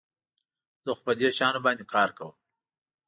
زه خو په دې شیانو باندي کار کوم.